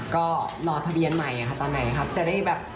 ก็รอทะเบียนใหม่ค่ะตอนไหนครับจะได้แบบ